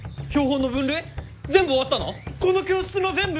この教室の全部！？